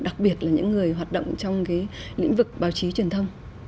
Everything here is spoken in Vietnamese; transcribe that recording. đặc biệt là những người hoạt động trong cái lĩnh vực báo chí truyền thông